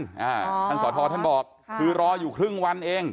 ท่านสอทรท่านบอกคือรออยู่ครึ่งวันเอง